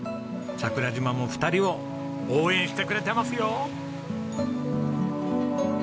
桜島も２人を応援してくれてますよ！